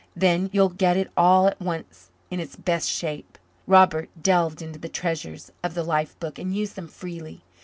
"Then you'll get it all at once in its best shape." Robert delved into the treasures of the life book and used them freely.